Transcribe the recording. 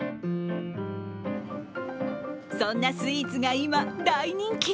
そんなスイーツが今、大人気。